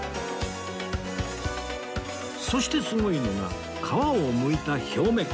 そしてすごいのが皮をむいた表面